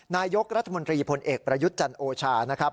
นายกรัฐมนตรีพลเอกประยุทธ์จันทร์โอชานะครับ